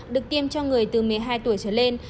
được tiêm cho người từ một mươi hai tuổi trở lên